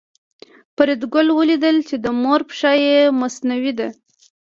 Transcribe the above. فریدګل ولیدل چې د مور پښه یې مصنوعي ده